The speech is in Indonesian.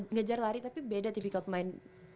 ngejar lari tapi beda typical pemain